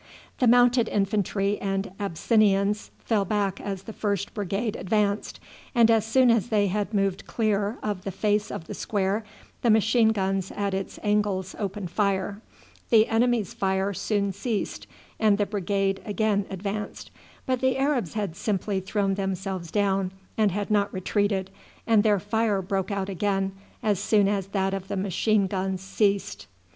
The Mounted Infantry and Abyssinians fell back as the first brigade advanced, and as soon as they had moved clear of the face of the square the machine guns at its angles opened fire. The enemy's fire soon ceased, and the brigade again advanced. But the Arabs had simply thrown themselves down and had not retreated, and their fire broke out again as soon as that of the machine guns ceased.